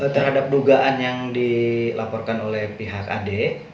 terhadap dugaan yang dilaporkan oleh pihak ad